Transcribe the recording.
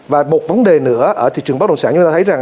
và một vấn đề nữa ở thị trường bất động sản chúng ta thấy rằng